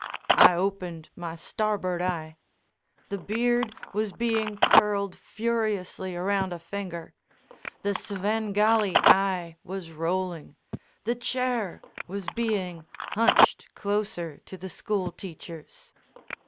I opened my starboard eye. The beard was being curled furiously around a finger, the Svengali eye was rolling, the chair was being hunched closer to the school teacher's.